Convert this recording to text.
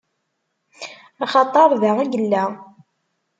Axaṭeṛ da i yella.